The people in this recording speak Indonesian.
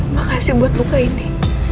makasih buat luka ini